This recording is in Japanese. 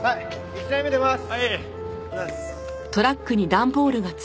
１台目出ます。